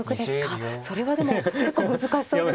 それはでも結構難しそうですね。